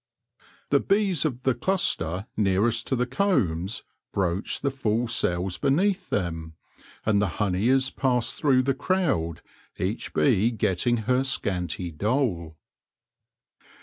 The bees of the cluster nearest to the combs broach the full cells beneath them, and the honey is passed through the crowd, each bee getting her scanty dole.